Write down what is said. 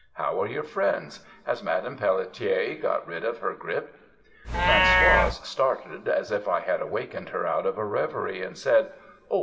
How are your friends? Has Madame Pelletier got rid of her grippe?' "Françoise started as if I had awakened her out of a reverie, and said, 'Oh!